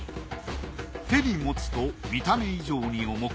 手に持つと見た目以上に重く